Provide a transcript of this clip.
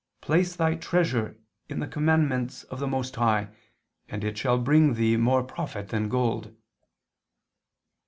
. place thy treasure in the commandments of the Most High, and it shall bring thee more profit than gold."